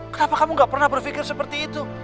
kenapa kamu gak pernah berpikir seperti itu